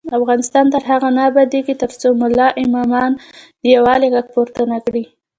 افغانستان تر هغو نه ابادیږي، ترڅو ملا امامان د یووالي غږ پورته نکړي.